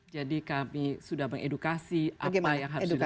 jadi kami sudah mengedukasi apa yang harus dilakukan